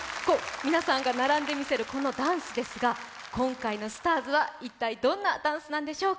皆さんが並んで見せるこのダンスですが今回の「ＳＴＡＲＳ」は一体どんなダンスなんでしょうか。